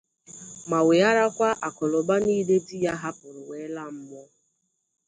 ma wèghárakwa akụnụba niile di ya hapụrụ wee laa mmụọ